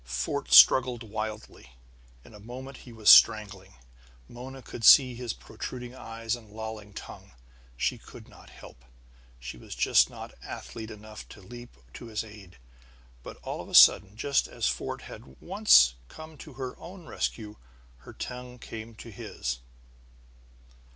Fort struggled wildly. In a moment he was strangling; Mona could see his protruding eyes and lolling tongue. She could not help. She was not athlete enough to leap to his aid. But all of a sudden, just as Fort had once come to her own rescue, her tongue came to his.